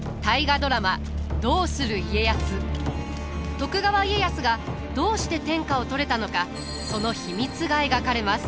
徳川家康がどうして天下を取れたのかその秘密が描かれます。